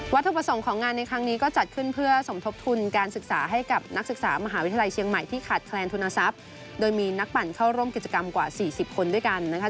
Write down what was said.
ถูกประสงค์ของงานในครั้งนี้ก็จัดขึ้นเพื่อสมทบทุนการศึกษาให้กับนักศึกษามหาวิทยาลัยเชียงใหม่ที่ขาดแคลนทุนทรัพย์โดยมีนักปั่นเข้าร่วมกิจกรรมกว่า๔๐คนด้วยกันนะคะ